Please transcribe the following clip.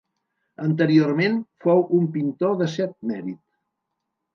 Anteriorment fou un pintor de cert mèrit.